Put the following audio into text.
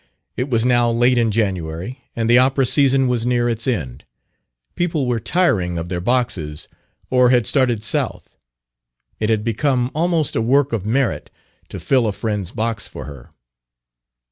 It was now late in January and the opera season was near its end. People were tiring of their boxes, or had started South: it had become almost a work of merit to fill a friend's box for her.